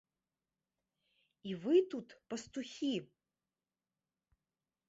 І вы тут, пастухі?